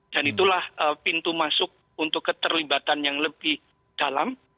dan itulah pintu masuk untuk keterlibatan yang lebih dalam